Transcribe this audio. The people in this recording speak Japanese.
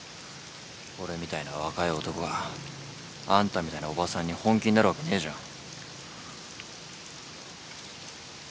俺みたいな若い男があんたみたいなおばさんに本気になるわけねえじゃん。